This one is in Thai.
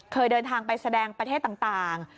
เคยเดินทางไปแสดงประเทศต่าง